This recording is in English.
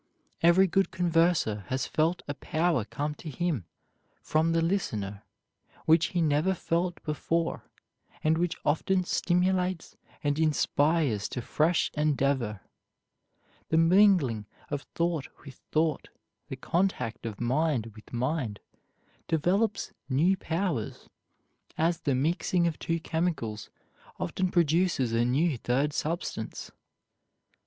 Every good converser has felt a power come to him from the listener which he never felt before, and which often stimulates and inspires to fresh endeavor. The mingling of thought with thought, the contact of mind with mind, develops new powers, as the mixing of two chemicals often produces a new third substance.